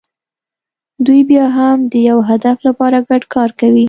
دوی بیا هم د یوه هدف لپاره ګډ کار کوي.